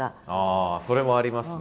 あそれもありますね。